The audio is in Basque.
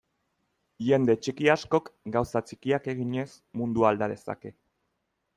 Jende txiki askok, gauza txikiak eginez, mundua alda dezake.